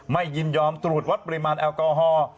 ยินยอมตรวจวัดปริมาณแอลกอฮอล์